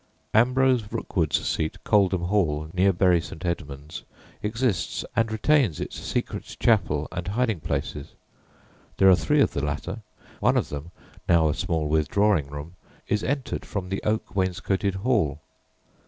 Ambrose Rookwood's seat, Coldham Hall, near Bury St. Edmunds, exists and retains its secret chapel and hiding places. There are three of the latter; one of them, now a small withdrawing room, is entered from the oak wainscoted hall.